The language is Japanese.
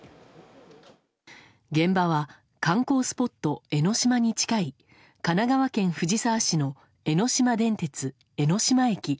現場は観光スポット江の島に近い神奈川県藤沢市の江ノ島電鉄江ノ島駅。